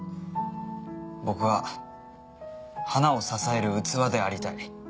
僕は花を支える器でありたい